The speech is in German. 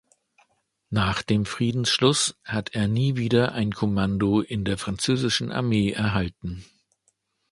Nach dem Friedensschluss hat er nie wieder ein Kommando in der französischen Armee erhalten.